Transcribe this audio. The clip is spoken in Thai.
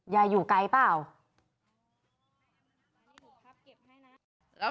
ยายอยู่ไกลเปล่า